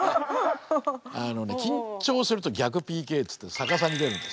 あのね緊張すると逆ＰＫっつって逆さに出るんですよ。